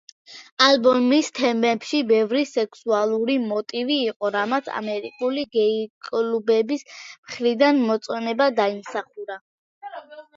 ალბომის თემებში ბევრი სექსუალური მოტივი იყო, რამაც ამერიკული გეი კლუბების მხრიდან მოწონება დაიმსახურა.